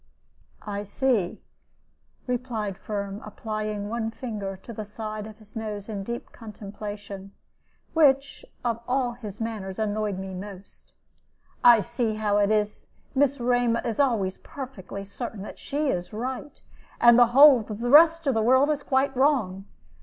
"I see," replied Firm, applying one finger to the side of his nose in deep contemplation, which, of all his manners, annoyed me most. "I see how it is; Miss Rema is always perfectly certain that she is right, and the whole of the rest of the world quite wrong.